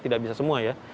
tidak bisa semua ya